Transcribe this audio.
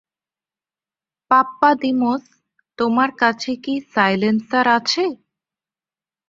Pappadimos, তোমার কাছে কি সাইলেন্সার আছে?